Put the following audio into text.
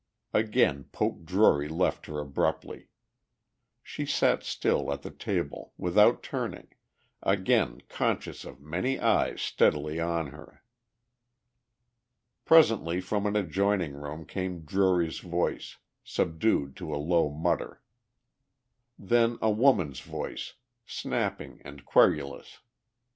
Again Poke Drury left her abruptly. She sat still at the table, without turning, again conscious of many eyes steadily on her. Presently from an adjoining room came Drury's voice, subdued to a low mutter. Then a woman's voice, snapping and querrulous.